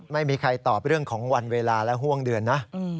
ไม่มีใครตอบเรื่องของวันเวลาและห่วงเดือนนะ